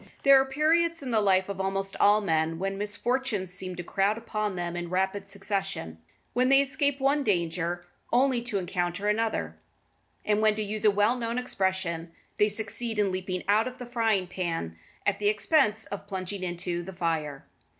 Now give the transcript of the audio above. There are periods in the life of almost all men A when misfortunes seem to crowd upon them in rapid succession, when they escape from one danger only to encounter another, and when, to use a well known expression, they succeed in leaping out of the frying pan at the expense of plunging into the fire.